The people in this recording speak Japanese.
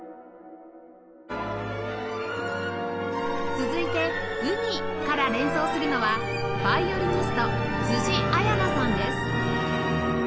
続いて「海」から連想するのはヴァイオリニスト辻彩奈さんです